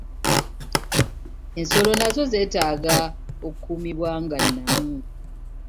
Ensolo nazo zeetaaga okuumibwa nga nnamu.